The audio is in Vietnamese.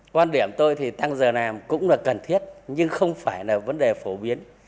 quan điểm tôi thì tăng giờ làm cũng là cần thiết nhưng không phải là vấn đề phổ biến